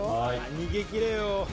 逃げ切れよ。